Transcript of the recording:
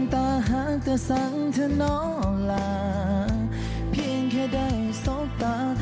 อยากให้เจ้ามาเห็ดแนวแทนอ้อ